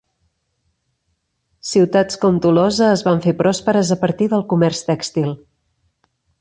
Ciutats com Tolosa es van fer pròsperes a partir del comerç tèxtil.